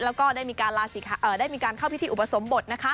แล้วก็ได้มีการเข้าพิธีอุปสมบท